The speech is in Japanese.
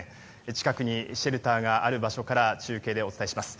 近くにシェルターがある場所から中継でお伝えします。